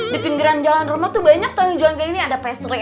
di pinggiran jalan roma tuh banyak jalan kayak gini ada pastry enak